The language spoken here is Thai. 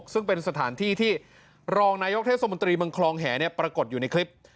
ซึ่งเป็นสถานที่ที่รองนายท่าสมวงตรีเมืองครองแหงเนี่ยปรากฎอยู่ในคลิป